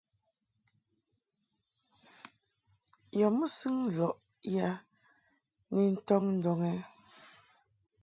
Yɔ mɨsɨŋ lɔʼ ya ni ntɔŋ ndɔŋ ɛ ?